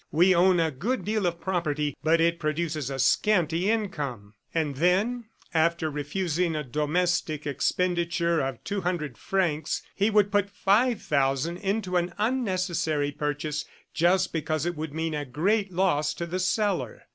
We own a good deal of property, but it produces a scanty income." And then, after refusing a domestic expenditure of two hundred francs, he would put five thousand into an unnecessary purchase just because it would mean a great loss to the seller.